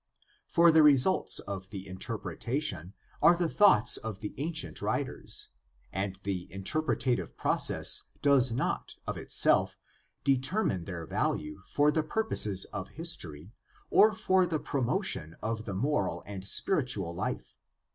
For the results of interpretation are the thoughts of the ancient writers, and the interpretative process does not, of itself, determine their value for the pur poses of history or for the promotion of the moral and spiritual life.